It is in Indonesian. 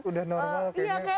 udah normal kayaknya